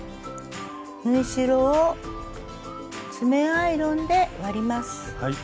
縫い代を爪アイロンで割ります。